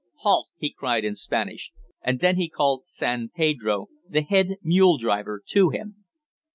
Halt!" he cried in Spanish, and then he called San Pedro the head mule driver, to him.